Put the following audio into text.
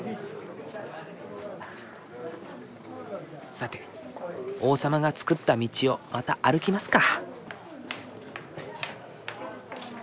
さて王様が造った道をまた歩きますか。